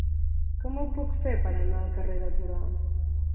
Com ho puc fer per anar al carrer de Torà?